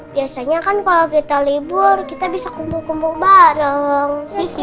biasanya kan kalau kita libur kita bisa kumpul kumpul bareng